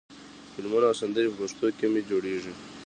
فلمونه او سندرې په پښتو کمې جوړېږي.